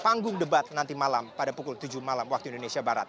panggung debat nanti malam pada pukul tujuh malam waktu indonesia barat